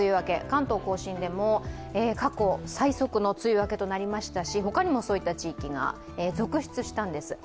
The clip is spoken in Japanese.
関東甲信でも過去最速の梅雨明けとなりましたし他にもそういった地域が続出したんです。